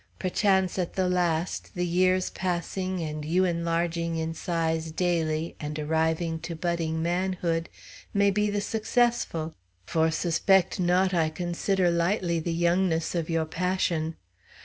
Perchance at the last, the years passing and you enlarging in size daily and arriving to budding manhood, may be the successful; for suspect not I consider lightly the youngness of yo' passion.